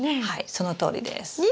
はいそのとおりです。